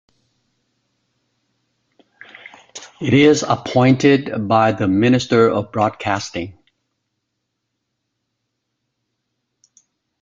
It is appointed by the Minister of Broadcasting.